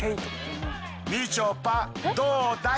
みちょぱどうだい？